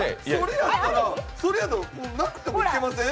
それやったら何回もいけません？